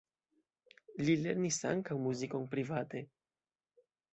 Li lernis ankaŭ muzikon private.